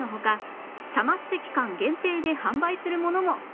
サマステ期間限定で販売するものも！